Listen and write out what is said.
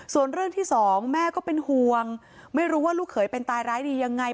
ส่วนเรื่องที่สองแม่ก็เป็นห่วงไม่รู้ว่าลูกเขยเป็นตายร้ายดียังไง